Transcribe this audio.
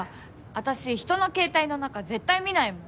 私人の携帯の中絶対見ないもん。